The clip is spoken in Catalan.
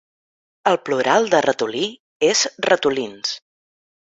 El plural de ratolí és ratolins.